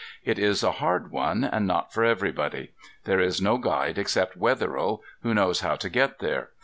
It is a hard one and not for everybody. There is no guide except Wetherill, who knows how to get there.